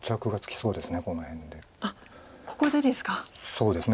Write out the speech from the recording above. そうですね。